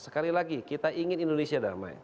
sekali lagi kita ingin indonesia damai